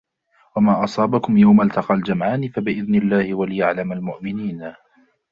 وما أصابكم يوم التقى الجمعان فبإذن الله وليعلم المؤمنين